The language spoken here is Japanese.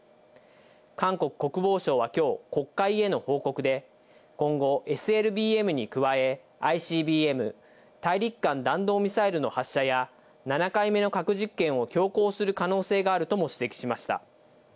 韓国国防省はきょう、国会への報告で、今後、ＳＬＢＭに加え、ＩＣＢＭ・大陸間弾道ミサイルの発射や、７回目の核実験を強行する可能性があるとも指摘しました。